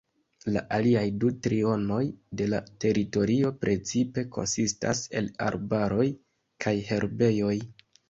La aliaj du trionoj de la teritorio precipe konsistas el arbaroj kaj herbejoj.